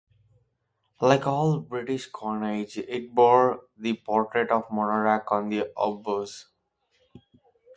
Like all British coinage, it bore the portrait of the monarch on the obverse.